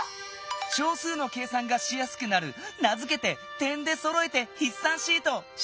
小数の計算がしやすくなる名づけて「点でそろえてひっ算シート」！